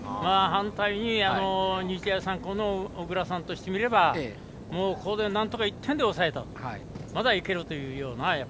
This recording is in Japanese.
反対に日大三高の小倉さんとしてみればここで、なんとか１点で抑えてまだいけるというような。